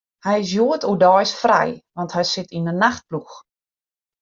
Hy is hjoed oerdeis frij, want hy sit yn 'e nachtploech.